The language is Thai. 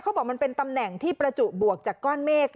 เขาบอกมันเป็นตำแหน่งที่ประจุบวกจากก้อนเมฆ